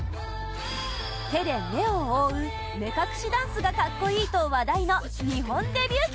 手で目を覆う目隠しダンスが格好いいと話題の日本デビュー曲